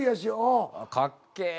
かっけぇ。